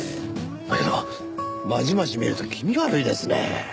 だけどまじまじ見ると気味が悪いですね。